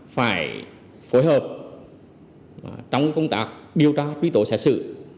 phải phối hợp trong công tác điều tra trí tổ xã sự